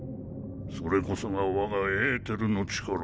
それこそが我がエーテルの力。